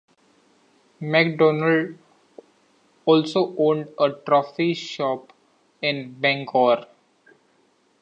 McDonald also owned a trophy shop in Bangor.